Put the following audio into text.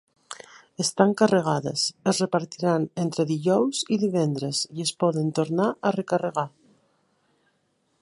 Estan carregades, es repartiran entre dijous i divendres i es poden tornar a recarregar.